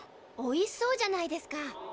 おいしそうじゃないですか。